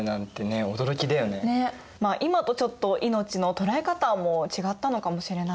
まあ今とちょっと命の捉え方も違ったのかもしれないね。